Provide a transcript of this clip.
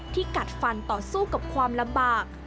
กัดฟันต่อสู้กับความลำบาก